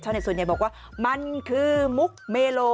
ชาวเน็ตส่วนใหญ่บอกว่ามันคือมุกเมโล